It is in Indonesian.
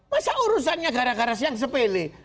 masa urusannya gara gara siang sepele